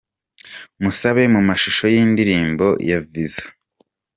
Musabe mu mashusho y'indirimbo ye Visa.